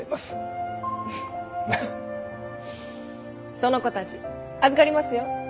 その子たち預かりますよ。